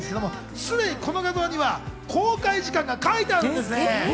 すでにこの画像には公開時間が書いてあるんです。